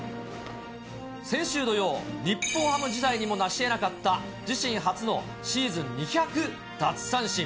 先週土曜、日本ハム時代にもなしえなかった自身初のシーズン２００奪三振。